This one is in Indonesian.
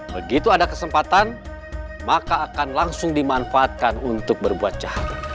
begitu ada kesempatan maka akan langsung dimanfaatkan untuk berbuat jahat